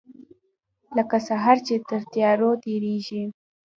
لکه سحر چې تر تیارو تیریږې